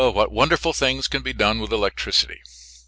What wonderful things can be done with electricity!